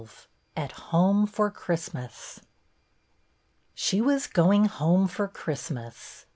XII AT HOME FOR CHRISTMAS S HE was going home for Christmas!